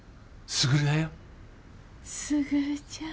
卓ちゃん。